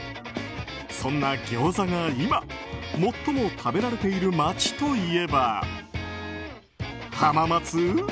そんなギョーザが今最も食べられている街といえば浜松？